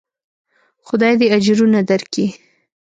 خداى دې اجرونه دركي.